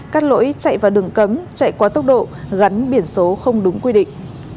cắt lỗi chạy vào đường cấm chạy qua tốc độ gắn biển số không đúng quy định